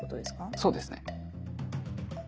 そうですね。